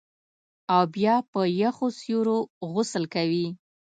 او بیا په یخو سیورو غسل کوي